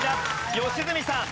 良純さん。